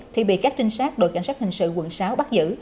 thì bị các trinh sát đội cảnh sát hình sự quận sáu bắt giữ